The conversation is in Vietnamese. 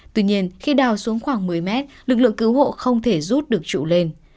tuy nhiên khi đào xuống khoảng một mươi mét lực lượng cứu hộ không thể rút được trụ lên